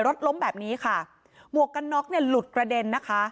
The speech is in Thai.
รถล้มแบบนี้ค่ะหมวกกันน็อกเนี่ยหลุดกระเด็นนะคะ